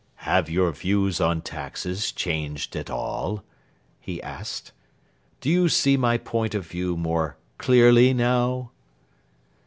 "Have your views on taxes changed at all?" he asked. "Do you see my point of view more clearly now?"